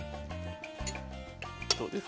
どうですか？